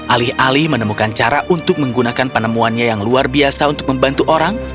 alih alih menemukan cara untuk menggunakan penemuannya yang luar biasa untuk membantu orang